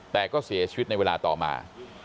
แต่ก็เสียชีวิตในเวลาต่อมา